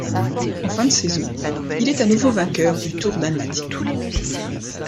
En fin de saison, il est à nouveau vainqueur du Tour d'Almaty.